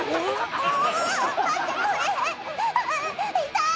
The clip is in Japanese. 痛い！